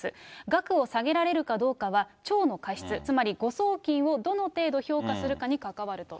額を下げられるかどうかは、町の過失、つまり誤送金をどの程度評価するかに関わると。